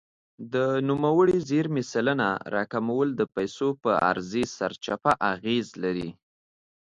د نوموړې زیرمې سلنه راکمول د پیسو پر عرضې سرچپه اغېز لري.